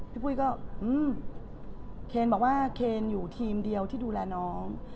ปุ้ยก็เคนบอกว่าเคนอยู่ทีมเดียวที่ดูแลน้อง